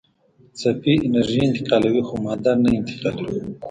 څپې انرژي انتقالوي خو ماده نه انتقالوي.